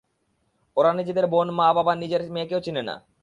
ওরা নিজেদের বোন, মা, বা নিজের মেয়েকেও চেনে না।